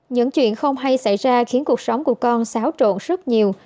những chuyện không hay xảy ra khiến cuộc sống của con xáo trộn rất nhiều